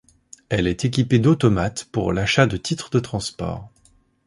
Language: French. Elle est équipée d’automates pour l’achat de titres de transport.